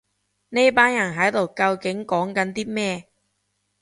呢班人喺度究竟講緊啲咩